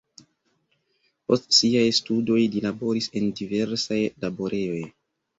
Post siaj studoj li laboris en diversaj laborejoj.